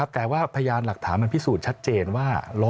แต่ว่าพยานหลักฐานมันพิสูจน์ชัดเจนว่า